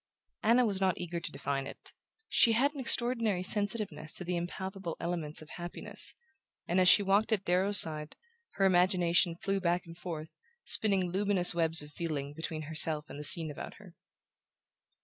Anna was not eager to define it. She had an extraordinary sensitiveness to the impalpable elements of happiness, and as she walked at Darrow's side her imagination flew back and forth, spinning luminous webs of feeling between herself and the scene about her.